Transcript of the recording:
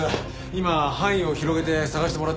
今範囲を広げて捜してもらってます。